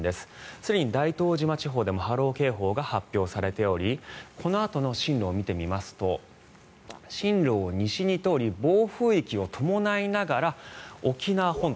すでに大東島地方でも波浪警報が発表されておりこのあとの進路を見てみますと進路を西に取り暴風域を伴いながら沖縄本島